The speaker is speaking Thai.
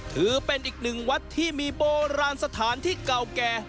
ถือเป็นอีกหนึ่งวัดที่มีโบราณสถานที่เก่าแก่